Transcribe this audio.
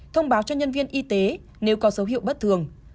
thông báo cho nhân viên y tế nếu có dấu hiệu bất thường